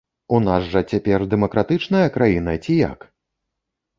У нас жа цяпер дэмакратычная краіна ці як?